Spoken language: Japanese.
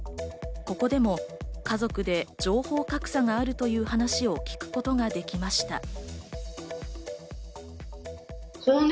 ここでも家族で情報格差があるという話を聞くことができました。